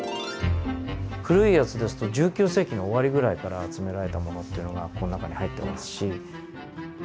古いやつですと１９世紀の終わりぐらいから集められたものというのがこの中に入ってますし。